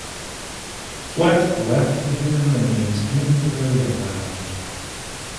Flett left the human remains in the burial mound.